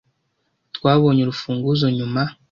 Twabonye urufunguzo nyuma.